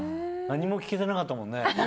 何も聞けてなかったもんね。